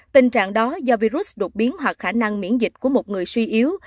tình trạng đó do virus đột biến hoặc khả năng miễn dịch của một người suy yếu